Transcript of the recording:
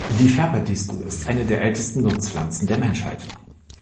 Die Färberdistel ist eine der ältesten Nutzpflanzen der Menschheit.